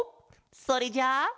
それじゃあ。